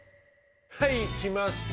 はい来ました！